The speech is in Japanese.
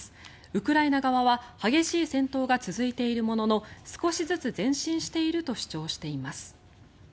ウクライナ側は激しい戦闘が続いているものの少しずつ前進していると主張しています。